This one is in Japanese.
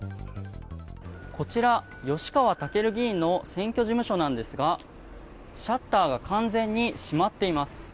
こちら、吉川赳議員の選挙事務所なんですがシャッターが完全に閉まっています。